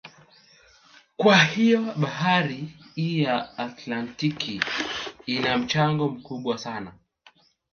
Kwa hiyo bahari hii ya Atlantiki ina mchango mkubwa sana